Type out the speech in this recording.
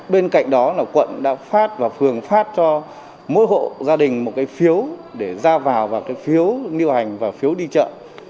bên cạnh đó là quận đã phát và phường phát cho mỗi hộ gia đình một cái phiếu để ra vào và cái phiếu niu hành và phiếu đi chợ